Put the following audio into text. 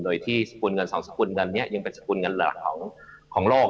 โดยที่สกุลเงินสองสกุลเงินนี้ยังเป็นสกุลเงินหลักของโลก